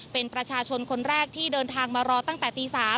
เป็นประชาชนคนแรกที่เดินทางมารอตั้งแต่ตี๓